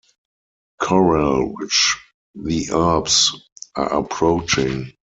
Corral, which the Earps are approaching.